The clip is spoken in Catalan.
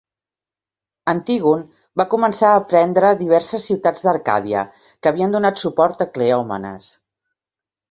Antígon va començar a prendre diverses ciutats d'Arcàdia que havien donat suport a Cleòmenes.